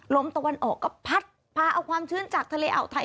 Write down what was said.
ลมตะวันออกก็พัดพาเอาความชื้นจากทะเลอ่าวไทย